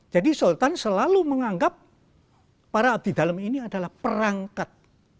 jadi sultan selalu menganggap para abdi dalam ini adalah perangkat